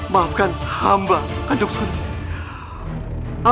maafkan hamba kanjong sunan